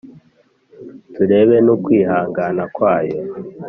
turebe n’ukwihangana kwayo.